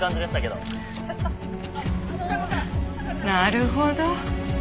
なるほど。